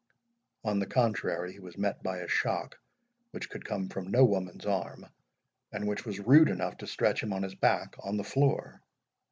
On the contrary, he was met by a shock which could come from no woman's arm, and which was rude enough to stretch him on his back on the floor.